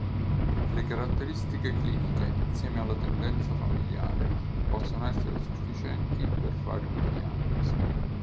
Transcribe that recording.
Le caratteristiche cliniche insieme alla tendenza familiare possono essere sufficienti per fare una diagnosi.